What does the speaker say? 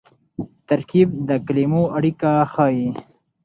ترکیب د کلیمو اړیکه ښيي.